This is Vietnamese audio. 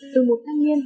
từ một tháng niên